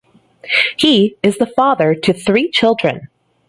He is the father to three children.